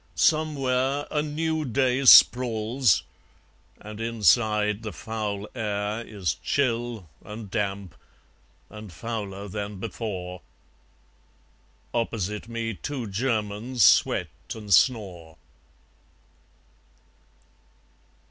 Somewhere A new day sprawls; and, inside, the foul air Is chill, and damp, and fouler than before. ... Opposite me two Germans sweat and snore.